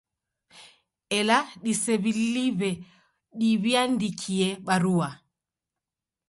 Ela disew'iliw'e, diw'iandikie barua